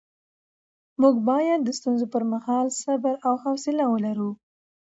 موږ باید د ستونزو پر مهال صبر او حوصله ولرو